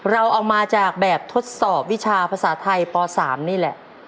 เราเอามาจากแบบทดสอบวิชาภาษาไทยป๓นี่แหละ